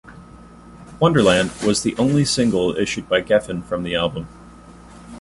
"Wonderland" was the only single issued by Geffen from the album.